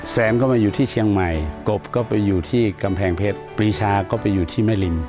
แซมก็มาอยู่ที่เชียงใหม่กบก็ไปอยู่ที่กำแพงเพชรปรีชาก็ไปอยู่ที่แม่ริม